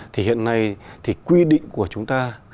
thì hiện nay thì quy định của chúng ta